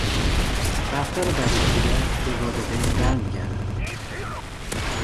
رفتار بد کودک به والدین بر میگردد.